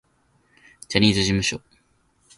ジャニーズ事務所